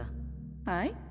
はい？